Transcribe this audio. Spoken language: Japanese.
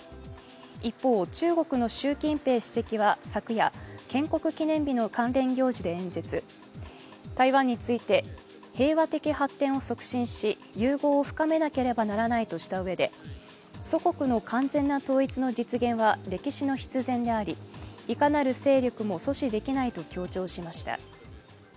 一方、中国の習近平主席は昨夜建国記念日の関連行事で演説台湾について平和的発展を促進し融合を深めなければならないとしたうえで祖国の完全な統一の実現は歴史の必然でありいかなる勢力も阻止できないと強調しました。